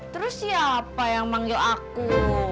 terus siapa yang manggil aku